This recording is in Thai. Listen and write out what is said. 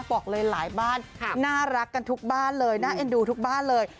บอกเลยหลายบ้านน่ารักกันทุกบ้านเลยน่าเอ็นดูทุกบ้านเลย